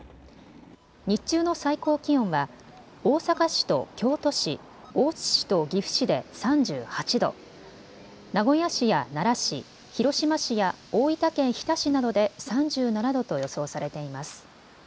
日中の最高気温は大阪市と京都市、大津市と岐阜市で３８度、名古屋市や奈良市、広島市や大分県日田市などで３７度と予想されています。